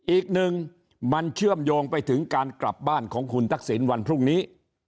อีกหนึ่งมันเชื่อมโยงไปถึงการกลับบ้านของคุณทักษิณวันพรุ่งนี้